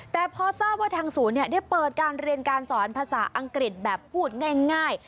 แต่พอทราบว่าทางศูนย์ได้เปิดการเรียนการสอนภาษาอังกฤษแบบพูดง่าย